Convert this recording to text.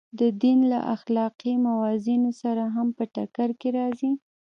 د دین له اخلاقي موازینو سره هم په ټکر کې راځي.